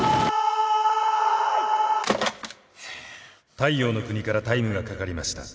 太陽ノ国からタイムがかかりました。